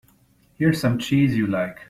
Here's some cheese you like.